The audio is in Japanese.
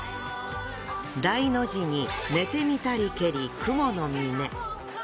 「大の字に寝て見たりけり雲の峰」。